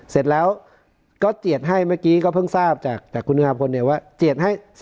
เสร็จแล้วก็เจียดให้เมื่อกี้ก็เพิ่งทราบจากคุณงามพลเนี่ยว่าเจียดให้